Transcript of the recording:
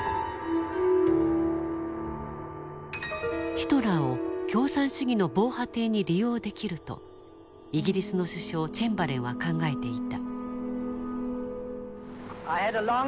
ヒトラーを共産主義の防波堤に利用できるとイギリスの首相チェンバレンは考えていた。